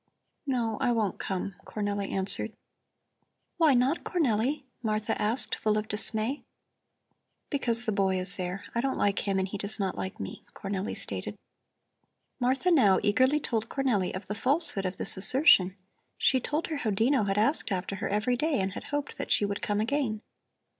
"No, I won't come," Cornelli answered. "Why not, Cornelli?" Martha asked, full of dismay. "Because the boy is there. I don't like him and he does not like me," Cornelli stated. Martha now eagerly told Cornelli of the falsehood of this assertion. She told her how Dino had asked after her every day and had hoped that she would come again.